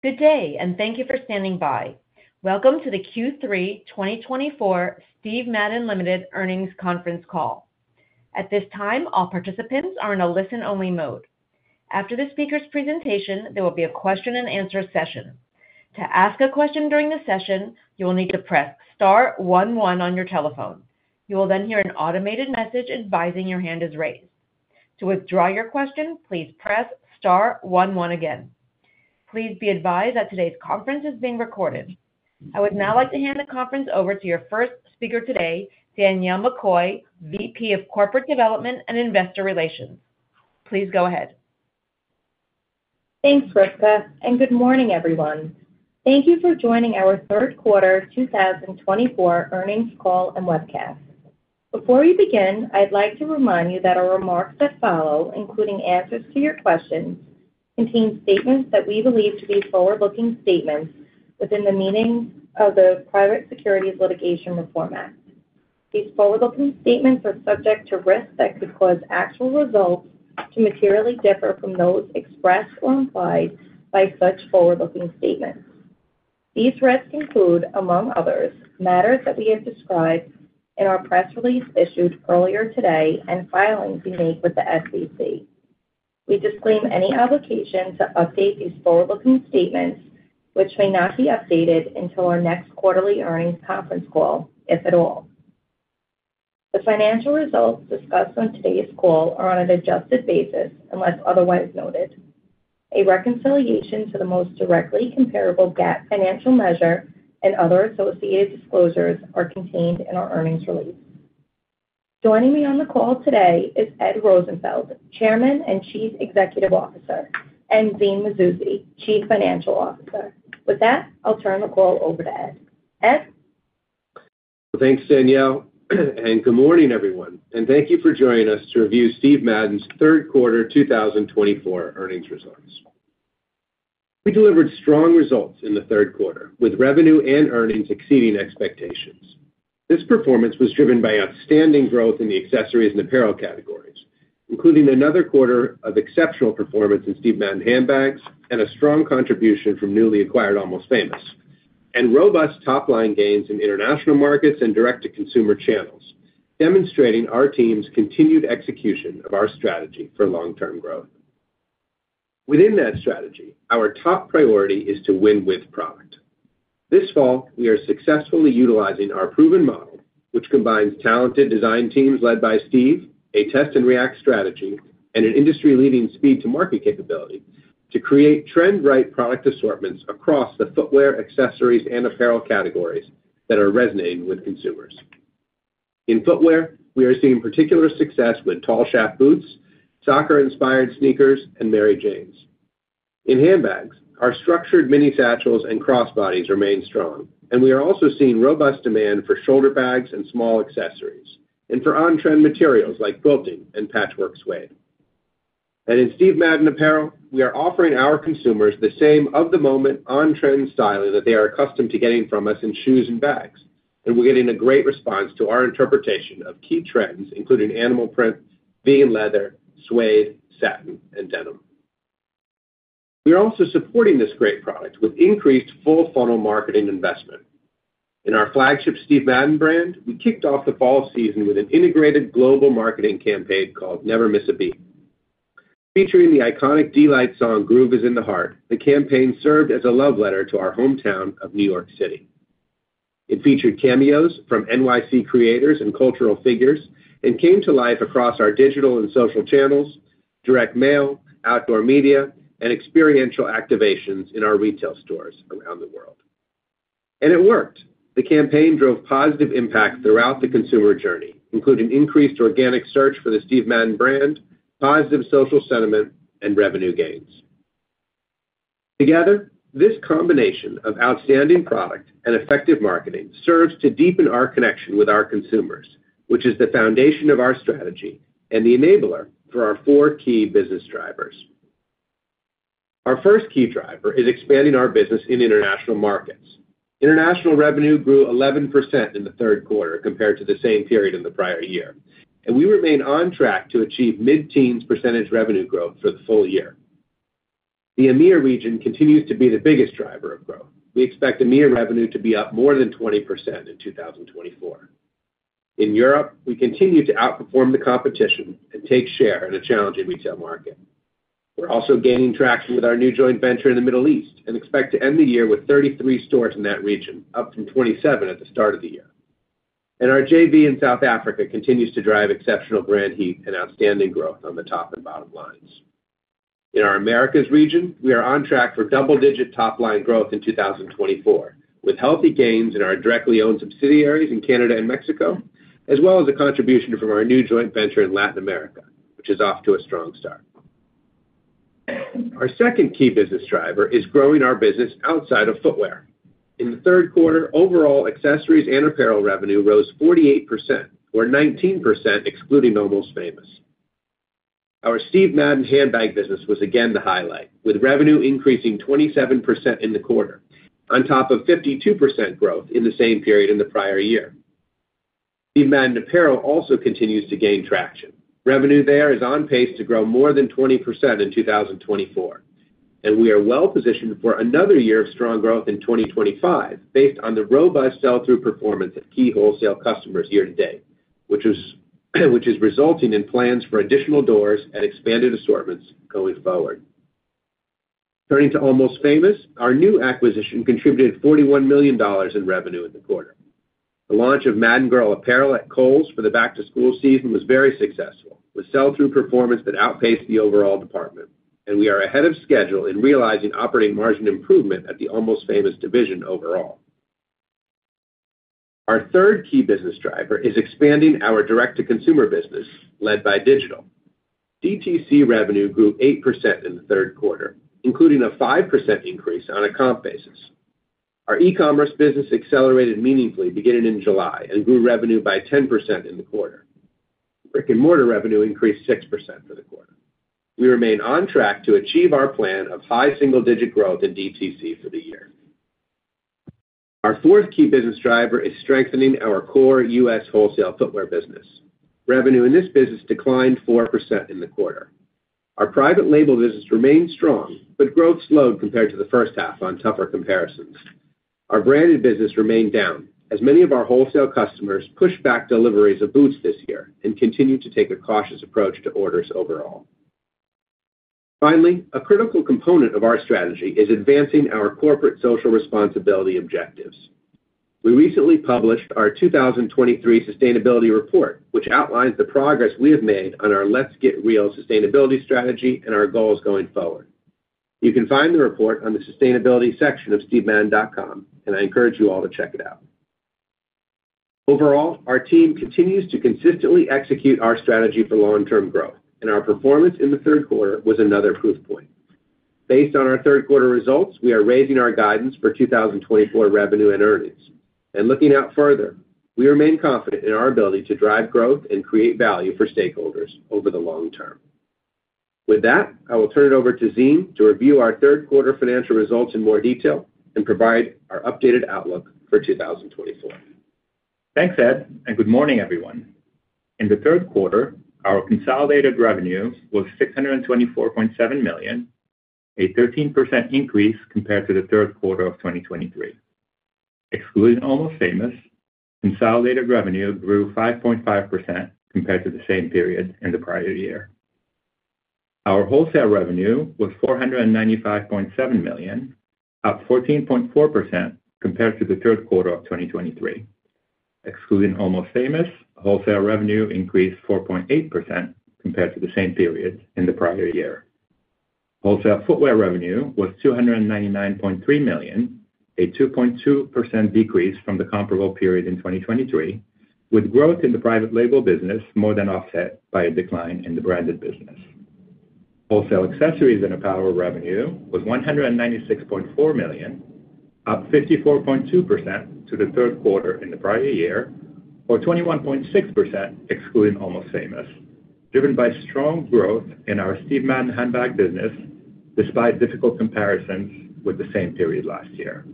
Good day, and thank you for standing by. Welcome to the Q3 2024 Steve Madden Limited Earnings Conference Call. At this time, all participants are in a listen-only mode. After the speaker's presentation, there will be a question-and-answer session. To ask a question during the session, you will need to press star 11 on your telephone. You will then hear an automated message advising your hand is raised. To withdraw your question, please press star 11 again. Please be advised that today's conference is being recorded. I would now like to hand the conference over to your first speaker today, Danielle McCoy, VP of Corporate Development and Investor Relations. Please go ahead. Thanks, Rivka, and good morning, everyone. Thank you for joining our third quarter 2024 earnings call and webcast. Before we begin, I'd like to remind you that our remarks that follow, including answers to your questions, contain statements that we believe to be forward-looking statements within the meaning of the Private Securities Litigation Reform Act. These forward-looking statements are subject to risks that could cause actual results to materially differ from those expressed or implied by such forward-looking statements. These risks include, among others, matters that we have described in our press release issued earlier today and filings we made with the SEC. We disclaim any obligation to update these forward-looking statements, which may not be updated until our next quarterly earnings conference call, if at all. The financial results discussed on today's call are on an adjusted basis unless otherwise noted. A reconciliation to the most directly comparable GAAP financial measure and other associated disclosures are contained in our earnings release. Joining me on the call today is Ed Rosenfeld, Chairman and Chief Executive Officer, and Zine Mazouzi, Chief Financial Officer. With that, I'll turn the call over to Ed. Ed? Thanks, Danielle, and good morning, everyone. And thank you for joining us to review Steve Madden's third quarter 2024 earnings results. We delivered strong results in the third quarter, with revenue and earnings exceeding expectations. This performance was driven by outstanding growth in the accessories and apparel categories, including another quarter of exceptional performance in Steve Madden handbags and a strong contribution from newly acquired Almost Famous, and robust top-line gains in international markets and direct-to-consumer channels, demonstrating our team's continued execution of our strategy for long-term growth. Within that strategy, our top priority is to win with product. This fall, we are successfully utilizing our proven model, which combines talented design teams led by Steve, a test-and-react strategy, and an industry-leading speed-to-market capability to create trend-right product assortments across the footwear, accessories, and apparel categories that are resonating with consumers. In footwear, we are seeing particular success with tall shaft boots, soccer-inspired sneakers, and Mary Janes. In handbags, our structured mini satchels and crossbodies remain strong, and we are also seeing robust demand for shoulder bags and small accessories, and for on-trend materials like quilting and patchwork suede, and in Steve Madden apparel, we are offering our consumers the same of-the-moment on-trend styling that they are accustomed to getting from us in shoes and bags, and we're getting a great response to our interpretation of key trends, including animal print, vegan leather, suede, satin, and denim. We are also supporting this great product with increased full-funnel marketing investment. In our flagship Steve Madden brand, we kicked off the fall season with an integrated global marketing campaign called Never Miss a Beat. Featuring the iconic Deee-Lite song "Groove Is in the Heart," the campaign served as a love letter to our hometown of New York City. It featured cameos from NYC creators and cultural figures and came to life across our digital and social channels, direct mail, outdoor media, and experiential activations in our retail stores around the world. It worked. The campaign drove positive impact throughout the consumer journey, including increased organic search for the Steve Madden brand, positive social sentiment, and revenue gains. Together, this combination of outstanding product and effective marketing serves to deepen our connection with our consumers, which is the foundation of our strategy and the enabler for our four key business drivers. Our first key driver is expanding our business in international markets. International revenue grew 11% in the third quarter compared to the same period in the prior year, and we remain on track to achieve mid-teens % revenue growth for the full year. The EMEA region continues to be the biggest driver of growth. We expect EMEA revenue to be up more than 20% in 2024. In Europe, we continue to outperform the competition and take share in a challenging retail market. We're also gaining traction with our new joint venture in the Middle East and expect to end the year with 33 stores in that region, up from 27 at the start of the year, and our JV in South Africa continues to drive exceptional brand heat and outstanding growth on the top and bottom lines. In our Americas region, we are on track for double-digit top-line growth in 2024, with healthy gains in our directly owned subsidiaries in Canada and Mexico, as well as a contribution from our new joint venture in Latin America, which is off to a strong start. Our second key business driver is growing our business outside of footwear. In the third quarter, overall accessories and apparel revenue rose 48%, or 19% excluding Almost Famous. Our Steve Madden handbag business was again the highlight, with revenue increasing 27% in the quarter, on top of 52% growth in the same period in the prior year. Steve Madden apparel also continues to gain traction. Revenue there is on pace to grow more than 20% in 2024, and we are well positioned for another year of strong growth in 2025 based on the robust sell-through performance of key wholesale customers year to date, which is resulting in plans for additional doors and expanded assortments going forward. Turning to Almost Famous, our new acquisition contributed $41 million in revenue in the quarter. The launch of Madden Girl apparel at Kohl's for the back-to-school season was very successful, with sell-through performance that outpaced the overall department, and we are ahead of schedule in realizing operating margin improvement at the Almost Famous division overall. Our third key business driver is expanding our direct-to-consumer business led by Digital. DTC revenue grew 8% in the third quarter, including a 5% increase on a comp basis. Our e-commerce business accelerated meaningfully beginning in July and grew revenue by 10% in the quarter. Brick-and-mortar revenue increased 6% for the quarter. We remain on track to achieve our plan of high single-digit growth in DTC for the year. Our fourth key business driver is strengthening our core U.S. wholesale footwear business. Revenue in this business declined 4% in the quarter. Our private label business remained strong, but growth slowed compared to the first half on tougher comparisons. Our branded business remained down, as many of our wholesale customers pushed back deliveries of boots this year and continue to take a cautious approach to orders overall. Finally, a critical component of our strategy is advancing our corporate social responsibility objectives. We recently published our 2023 sustainability report, which outlines the progress we have made on our Let's Get Real sustainability strategy and our goals going forward. You can find the report on the sustainability section of stevemadden.com, and I encourage you all to check it out. Overall, our team continues to consistently execute our strategy for long-term growth, and our performance in the third quarter was another proof point. Based on our third quarter results, we are raising our guidance for 2024 revenue and earnings, and looking out further, we remain confident in our ability to drive growth and create value for stakeholders over the long term. With that, I will turn it over to Zine to review our third quarter financial results in more detail and provide our updated outlook for 2024. Thanks, Ed, and good morning, everyone. In the third quarter, our consolidated revenue was $624.7 million, a 13% increase compared to the third quarter of 2023. Excluding Almost Famous, consolidated revenue grew 5.5% compared to the same period in the prior year. Our wholesale revenue was $495.7 million, up 14.4% compared to the third quarter of 2023. Excluding Almost Famous, wholesale revenue increased 4.8% compared to the same period in the prior year. Wholesale footwear revenue was $299.3 million, a 2.2% decrease from the comparable period in 2023, with growth in the private label business more than offset by a decline in the branded business. Wholesale accessories and apparel revenue was $196.4 million, up 54.2% to the third quarter in the prior year, or 21.6% excluding Almost Famous, driven by strong growth in our Steve Madden handbag business despite difficult comparisons with the same period last year.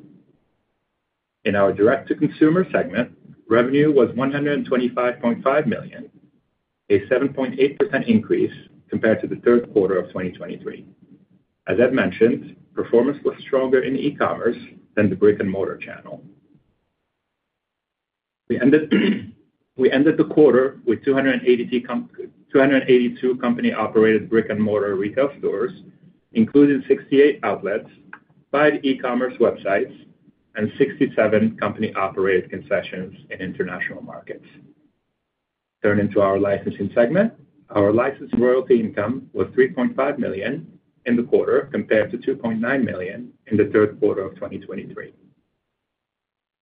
In our direct-to-consumer segment, revenue was $125.5 million, a 7.8% increase compared to the third quarter of 2023. As Ed mentioned, performance was stronger in e-commerce than the brick-and-mortar channel. We ended the quarter with 282 company-operated brick-and-mortar retail stores, including 68 outlets, five e-commerce websites, and 67 company-operated concessions in international markets. Turning to our licensing segment, our license royalty income was $3.5 million in the quarter compared to $2.9 million in the third quarter of 2023.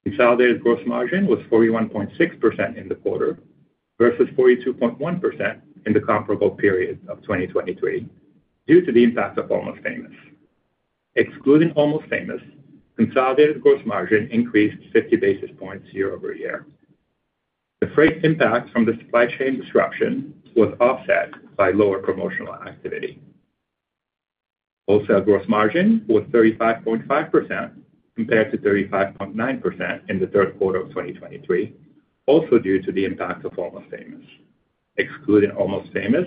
Consolidated gross margin was 41.6% in the quarter versus 42.1% in the comparable period of 2023 due to the impact of Almost Famous. Excluding Almost Famous, consolidated gross margin increased 50 basis points year over year. The freight impact from the supply chain disruption was offset by lower promotional activity. Wholesale gross margin was 35.5% compared to 35.9% in the third quarter of 2023, also due to the impact of Almost Famous. Excluding Almost Famous,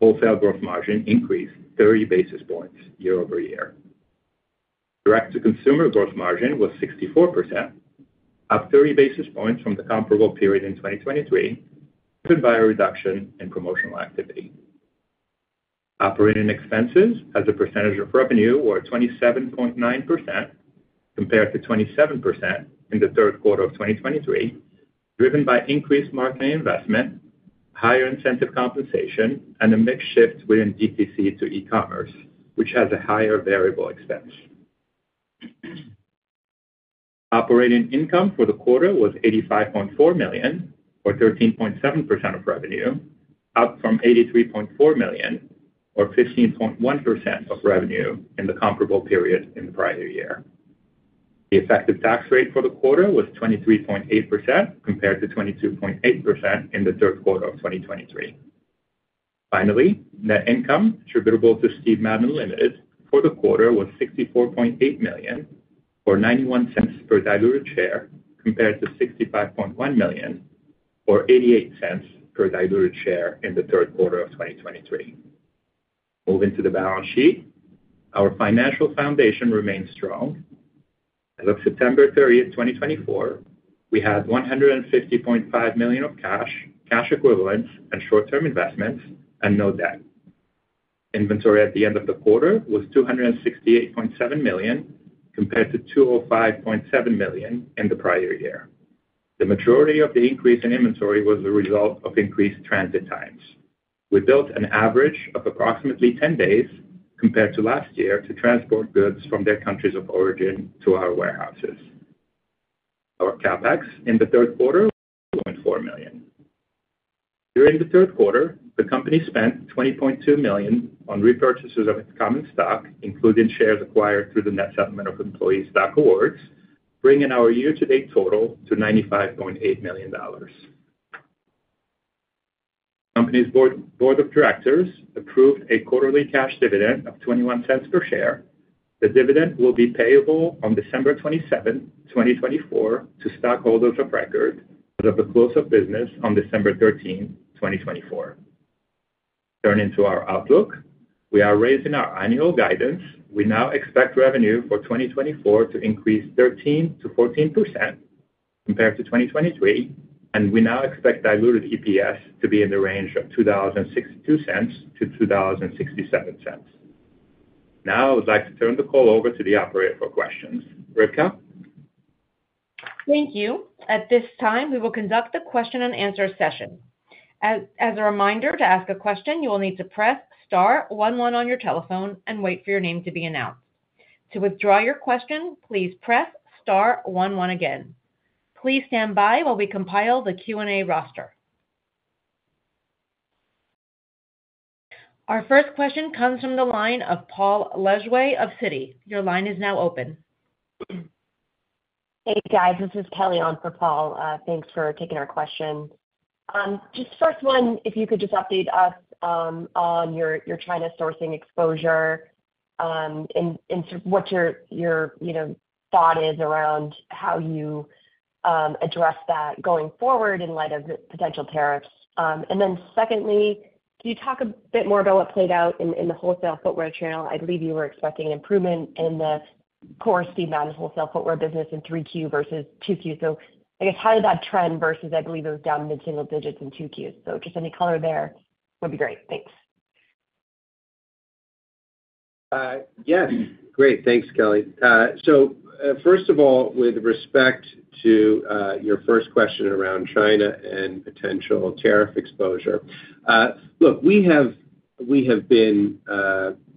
wholesale gross margin increased 30 basis points year over year. Direct-to-consumer gross margin was 64%, up 30 basis points from the comparable period in 2023, driven by a reduction in promotional activity. Operating expenses as a percentage of revenue were 27.9% compared to 27% in the third quarter of 2023, driven by increased marketing investment, higher incentive compensation, and a mixed shift within DTC to e-commerce, which has a higher variable expense. Operating income for the quarter was $85.4 million, or 13.7% of revenue, up from $83.4 million, or 15.1% of revenue in the comparable period in the prior year. The effective tax rate for the quarter was 23.8% compared to 22.8% in the third quarter of 2023. Finally, net income attributable to Steve Madden Limited for the quarter was $64.8 million, or $0.91 per diluted share, compared to $65.1 million, or $0.88 per diluted share in the third quarter of 2023. Moving to the balance sheet, our financial foundation remains strong. As of September 30, 2024, we had $150.5 million of cash, cash equivalents, and short-term investments, and no debt. Inventory at the end of the quarter was $268.7 million compared to $205.7 million in the prior year. The majority of the increase in inventory was the result of increased transit times. We built an average of approximately 10 days compared to last year to transport goods from their countries of origin to our warehouses. Our CapEx in the third quarter was $2.4 million. During the third quarter, the company spent $20.2 million on repurchases of its common stock, including shares acquired through the net settlement of employee stock awards, bringing our year-to-date total to $95.8 million. The company's board of directors approved a quarterly cash dividend of $0.21 per share. The dividend will be payable on December 27, 2024, to stockholders of record as of the close of business on December 13, 2024. Turning to our outlook, we are raising our annual guidance. We now expect revenue for 2024 to increase 13%-14% compared to 2023, and we now expect Diluted EPS to be in the range of $0.262-$0.267. Now, I would like to turn the call over to the operator for questions. Rivka? Thank you. At this time, we will conduct the question-and-answer session. As a reminder to ask a question, you will need to press star 11 on your telephone and wait for your name to be announced. To withdraw your question, please press star 11 again. Please stand by while we compile the Q&A roster. Our first question comes from the line of Paul Lejuez of Citi. Your line is now open. Hey, guys. This is Kelly on for Paul. Thanks for taking our question. Just first one, if you could just update us on your China sourcing exposure and sort of what your thought is around how you address that going forward in light of potential tariffs. And then secondly, can you talk a bit more about what played out in the wholesale footwear channel? I believe you were expecting an improvement in the core Steve Madden wholesale footwear business in 3Q versus 2Q. So I guess how did that trend versus, I believe, it was down mid-single digits in 2Q? So just any color there would be great. Thanks. Yes. Great. Thanks, Kelly, so first of all, with respect to your first question around China and potential tariff exposure, look, we have been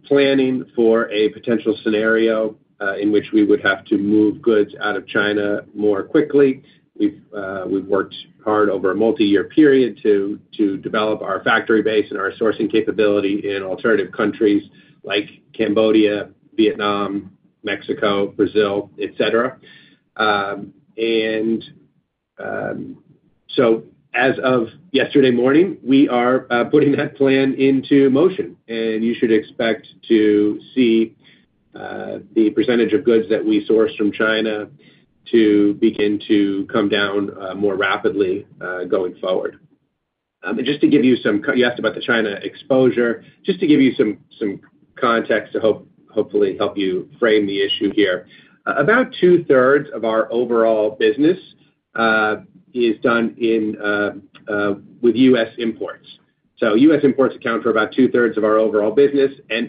planning for a potential scenario in which we would have to move goods out of China more quickly. We've worked hard over a multi-year period to develop our factory base and our sourcing capability in alternative countries like Cambodia, Vietnam, Mexico, Brazil, etc., and so as of yesterday morning, we are putting that plan into motion, and you should expect to see the percentage of goods that we source from China begin to come down more rapidly going forward. Just to give you some context to hopefully help you frame the issue here, about two-thirds of our overall business is done with U.S. imports. And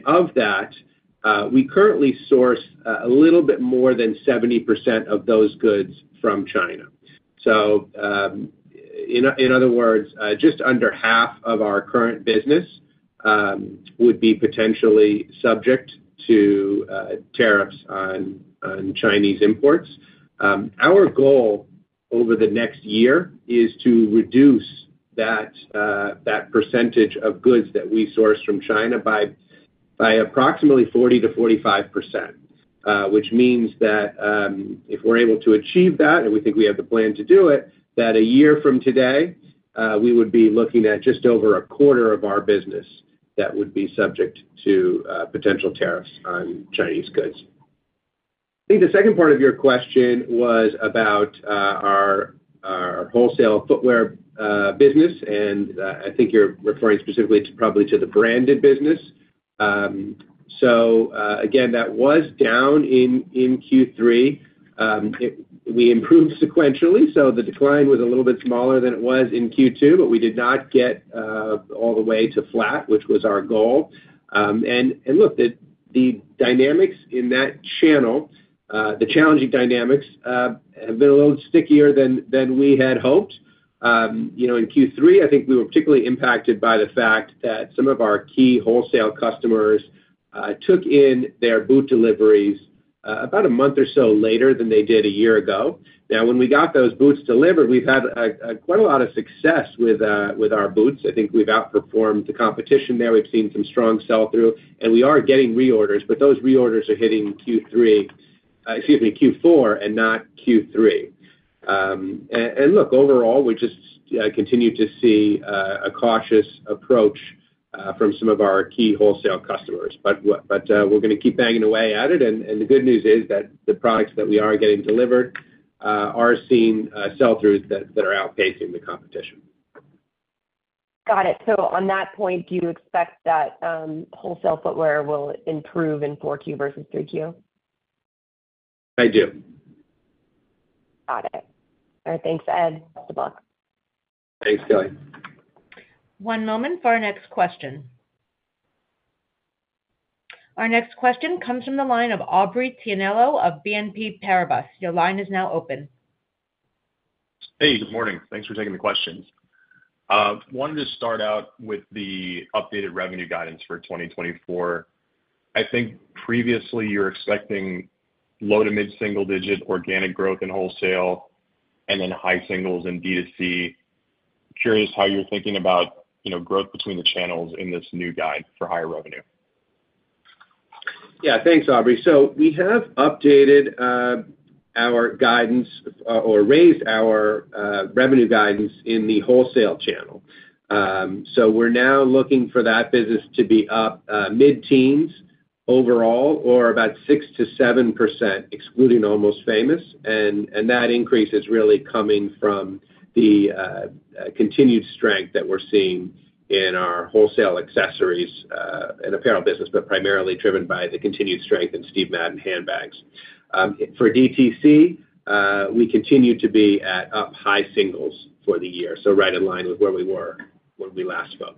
of that, we currently source a little bit more than 70% of those goods from China. So in other words, just under half of our current business would be potentially subject to tariffs on Chinese imports. Our goal over the next year is to reduce that percentage of goods that we source from China by approximately 40%-45%, which means that if we're able to achieve that, and we think we have the plan to do it, that a year from today, we would be looking at just over a quarter of our business that would be subject to potential tariffs on Chinese goods. I think the second part of your question was about our wholesale footwear business, and I think you're referring specifically probably to the branded business. So again, that was down in Q3. We improved sequentially, so the decline was a little bit smaller than it was in Q2, but we did not get all the way to flat, which was our goal, and look, the dynamics in that channel, the challenging dynamics, have been a little stickier than we had hoped. In Q3, I think we were particularly impacted by the fact that some of our key wholesale customers took in their boot deliveries about a month or so later than they did a year ago. Now, when we got those boots delivered, we've had quite a lot of success with our boots. I think we've outperformed the competition there. We've seen some strong sell-through, and we are getting reorders, but those reorders are hitting Q3, excuse me, Q4 and not Q3, and look, overall, we just continue to see a cautious approach from some of our key wholesale customers. But we're going to keep banging away at it. And the good news is that the products that we are getting delivered are seeing sell-throughs that are outpacing the competition. Got it. So on that point, do you expect that wholesale footwear will improve in 4Q versus 3Q? I do. Got it. All right. Thanks, Ed. That's the book. Thanks, Kelly. One moment for our next question. Our next question comes from the line of Aubrey Tianello of BNP Paribas. Your line is now open. Hey, good morning. Thanks for taking the questions. I wanted to start out with the updated revenue guidance for 2024. I think previously you were expecting low to mid-single-digit organic growth in wholesale and then high singles in B to C. Curious how you're thinking about growth between the channels in this new guide for higher revenue. Yeah. Thanks, Aubrey. So we have updated our guidance or raised our revenue guidance in the wholesale channel. So we're now looking for that business to be up mid-teens overall or about 6%-7% excluding Almost Famous. And that increase is really coming from the continued strength that we're seeing in our wholesale accessories and apparel business, but primarily driven by the continued strength in Steve Madden handbags. For DTC, we continue to be at up high singles for the year, so right in line with where we were when we last spoke.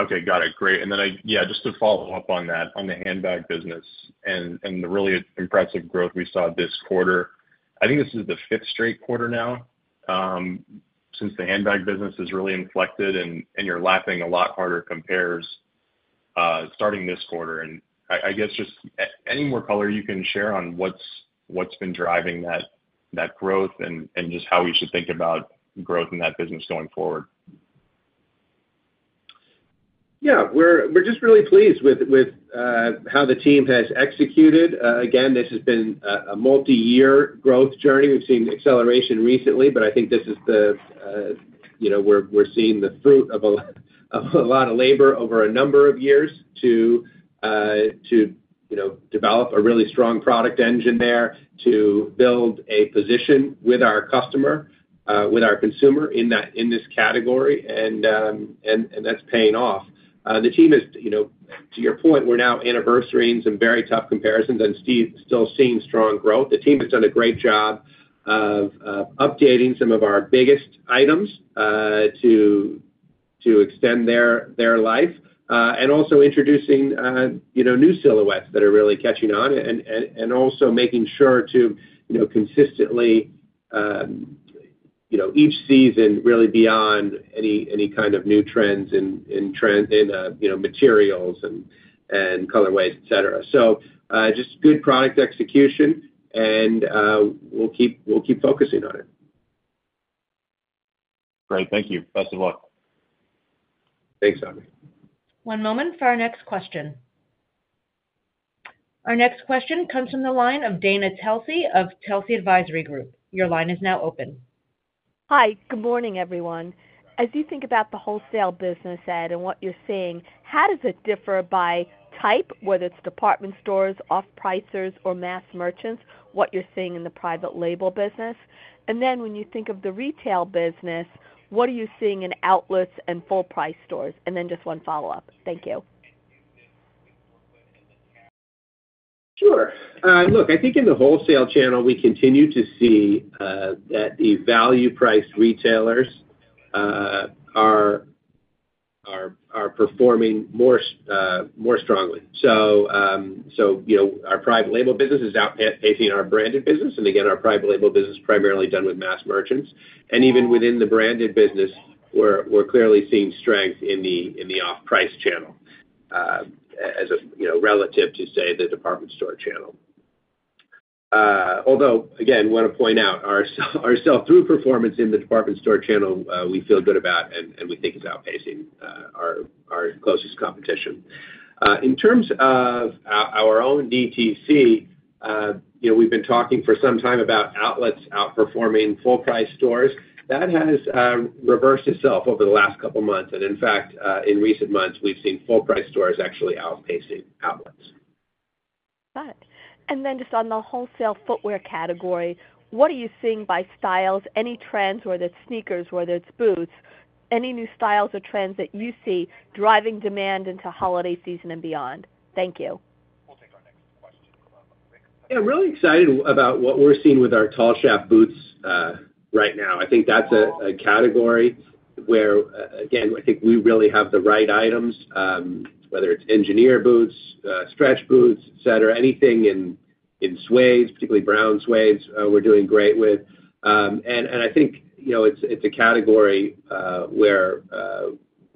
Okay. Got it. Great. And then, yeah, just to follow up on that, on the handbag business and the really impressive growth we saw this quarter, I think this is the fifth straight quarter now since the handbag business has really inflected and you're lapping a lot harder comps starting this quarter. And I guess just any more color you can share on what's been driving that growth and just how we should think about growth in that business going forward. Yeah. We're just really pleased with how the team has executed. Again, this has been a multi-year growth journey. We've seen acceleration recently, but I think this is the, we're seeing the fruit of a lot of labor over a number of years to develop a really strong product engine there, to build a position with our customer, with our consumer in this category, and that's paying off. The team is, to your point, we're now anniversarying some very tough comparisons, and Steve is still seeing strong growth. The team has done a great job of updating some of our biggest items to extend their life and also introducing new silhouettes that are really catching on and also making sure to consistently each season really beyond any kind of new trends in materials and colorways, etc. So just good product execution, and we'll keep focusing on it. Great. Thank you. Best of luck. Thanks, Aubrey. One moment for our next question. Our next question comes from the line of Dana Telsey of Telsey Advisory Group. Your line is now open. Hi. Good morning, everyone. As you think about the wholesale business, Ed, and what you're seeing, how does it differ by type, whether it's department stores, off-pricers, or mass merchants, what you're seeing in the private label business? And then when you think of the retail business, what are you seeing in outlets and full-price stores? And then just one follow-up. Thank you. Sure. Look, I think in the wholesale channel, we continue to see that the value-priced retailers are performing more strongly. So our private label business is outpacing our branded business. And again, our private label business is primarily done with mass merchants. And even within the branded business, we're clearly seeing strength in the off-price channel relative to, say, the department store channel. Although, again, I want to point out our sell-through performance in the department store channel, we feel good about, and we think is outpacing our closest competition. In terms of our own DTC, we've been talking for some time about outlets outperforming full-price stores. That has reversed itself over the last couple of months. And in fact, in recent months, we've seen full-price stores actually outpacing outlets. Got it. And then just on the wholesale footwear category, what are you seeing by styles? Any trends, whether it's sneakers, whether it's boots? Any new styles or trends that you see driving demand into holiday season and beyond? Thank you. We'll take our next question. Yeah. Really excited about what we're seeing with our tall shaft boots right now. I think that's a category where, again, I think we really have the right items, whether it's engineer boots, stretch boots, etc., anything in suedes, particularly brown suedes, we're doing great with. And I think it's a category where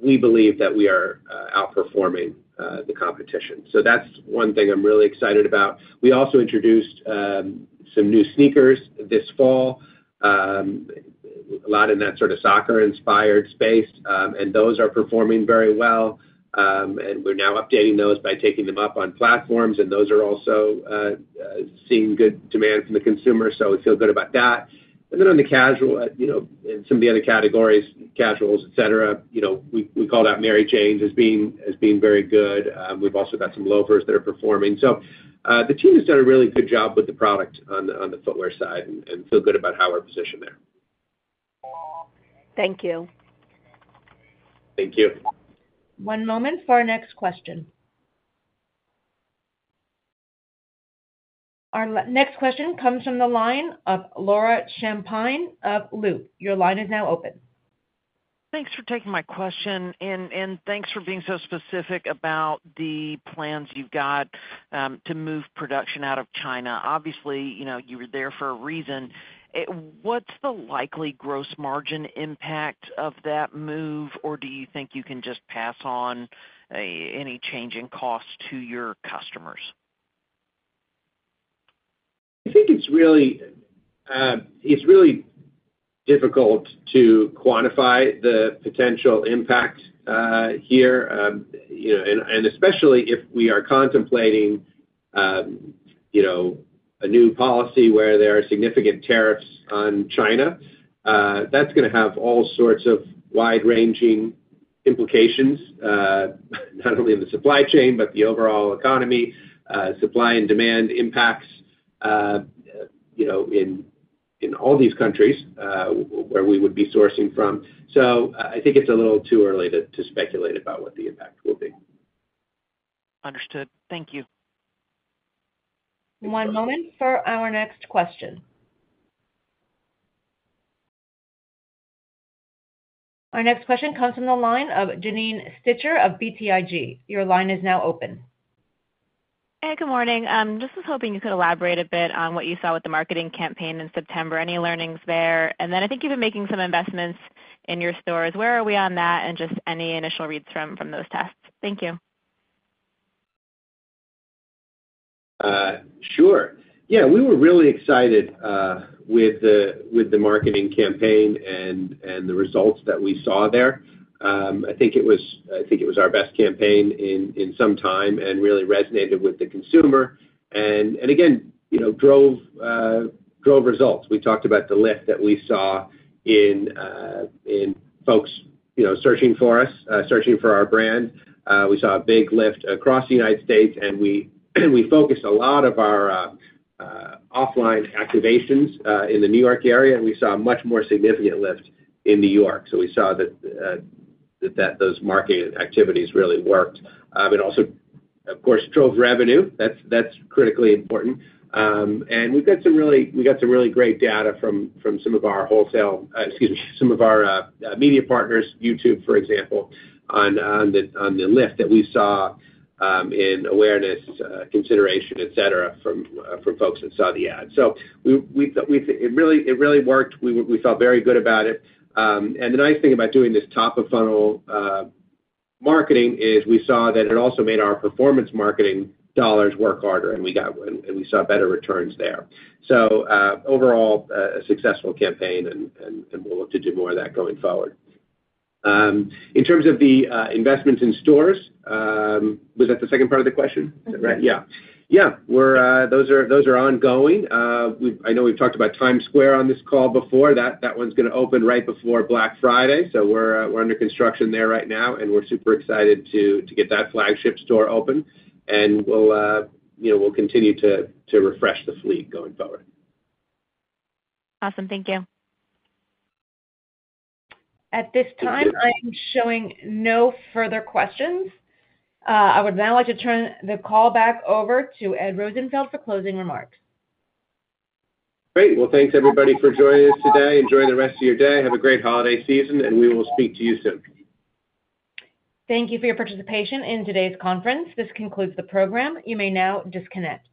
we believe that we are outperforming the competition. So that's one thing I'm really excited about. We also introduced some new sneakers this fall, a lot in that sort of soccer-inspired space, and those are performing very well. And we're now updating those by taking them up on platforms, and those are also seeing good demand from the consumer, so we feel good about that. And then on the casual and some of the other categories, casuals, etc., we call out Mary Janes as being very good. We've also got some loafers that are performing. So the team has done a really good job with the product on the footwear side and feel good about how we're positioned there. Thank you. Thank you. One moment for our next question. Our next question comes from the line of Laura Champine of Loop. Your line is now open. Thanks for taking my question, and thanks for being so specific about the plans you've got to move production out of China. Obviously, you were there for a reason. What's the likely gross margin impact of that move, or do you think you can just pass on any change in cost to your customers? I think it's really difficult to quantify the potential impact here, and especially if we are contemplating a new policy where there are significant tariffs on China. That's going to have all sorts of wide-ranging implications, not only in the supply chain but the overall economy, supply and demand impacts in all these countries where we would be sourcing from. So I think it's a little too early to speculate about what the impact will be. Understood. Thank you. One moment for our next question. Our next question comes from the line of Janine Stichter of BTIG. Your line is now open. Hey, good morning. Just was hoping you could elaborate a bit on what you saw with the marketing campaign in September, any learnings there, and then I think you've been making some investments in your stores. Where are we on that and just any initial reads from those tests? Thank you. Sure. Yeah. We were really excited with the marketing campaign and the results that we saw there. I think it was our best campaign in some time and really resonated with the consumer and, again, drove results. We talked about the lift that we saw in folks searching for us, searching for our brand. We saw a big lift across the United States, and we focused a lot of our offline activations in the New York area, and we saw a much more significant lift in New York. So we saw that those marketing activities really worked. It also, of course, drove revenue. That's critically important, and we got some really great data from some of our wholesale—excuse me, some of our media partners, YouTube, for example, on the lift that we saw in awareness, consideration, etc., from folks that saw the ad. So it really worked. We felt very good about it. And the nice thing about doing this top-of-funnel marketing is we saw that it also made our performance marketing dollars work harder, and we saw better returns there. So overall, a successful campaign, and we'll look to do more of that going forward. In terms of the investments in stores, was that the second part of the question? Is that right? Yes. Yeah. Yeah. Those are ongoing. I know we've talked about Times Square on this call before. That one's going to open right before Black Friday. So we're under construction there right now, and we're super excited to get that flagship store open. And we'll continue to refresh the fleet going forward. Awesome. Thank you. At this time, I am showing no further questions. I would now like to turn the call back over to Ed Rosenfeld for closing remarks. Great. Well, thanks, everybody, for joining us today. Enjoy the rest of your day. Have a great holiday season, and we will speak to you soon. Thank you for your participation in today's conference. This concludes the program. You may now disconnect.